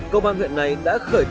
công an huyện này đã khởi tố hội